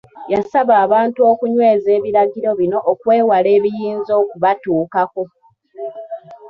Yasaba abantu okunyweza ebiragiro bino okwewala ebiyinza okubatuukako.